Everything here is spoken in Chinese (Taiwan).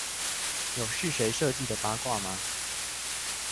有是誰設計的八卦嗎？